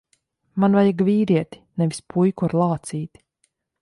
Man vajag vīrieti, nevis puiku ar lācīti.